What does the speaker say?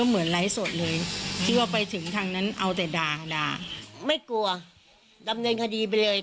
ไม่กลัวดำเนินคดีไปเลย